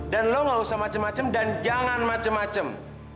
dan lo nggak usah macem macem dan jangan macem macem